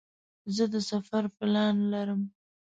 زه د سفر پلان لرم.